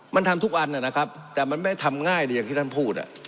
มันทำทุกอันนะครับแต่มันไม่ทำง่ายอย่างที่ท่านพูด